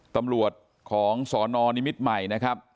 ตำรวจของสนนิมิตรใหม่นะครับ